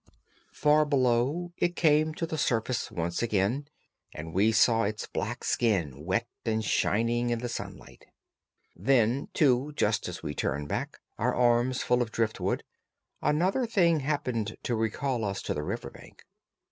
Far below it came to the surface once again, and we saw its black skin, wet and shining in the sunlight. Then, too, just as we turned back, our arms full of driftwood, another thing happened to recall us to the river bank.